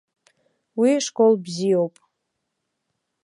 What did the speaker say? Уи школ бзиоуп.